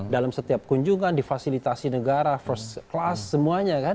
dalam setiap kunjungan difasilitasi negara first class semuanya kan